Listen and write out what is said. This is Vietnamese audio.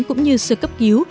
cũng như sư cấp cứu